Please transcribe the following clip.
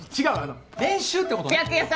違うあの練習ってことね。